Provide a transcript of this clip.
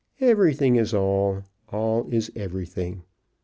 Everything is all; all is everything."